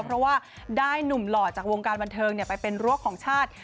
เพราะว่าได้หนุ่มหล่อจากวงการบันเทิงไปเป็นรั้วของชาติ